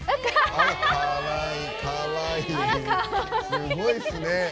すごいっすね。